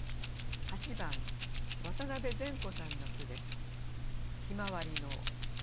８番渡部全子さんの句です。